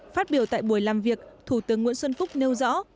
phát biểu tại buổi làm việc thủ tướng nguyễn xuân phúc nêu rõ